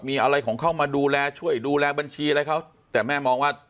มีอะไรของเขามาดูแลช่วยดูแลบัญชีอะไรเขาแต่แม่มองว่า